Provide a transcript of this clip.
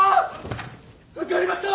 受かりました！